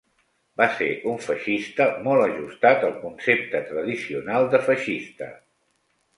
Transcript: Va ser un feixista molt ajustat al concepte tradicional de feixista.